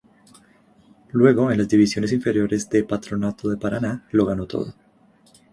Luego en las divisiones inferiores de Patronato de Paraná lo ganó todo.